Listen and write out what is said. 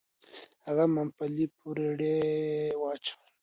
هغه ممپلي په رېړۍ واچول. .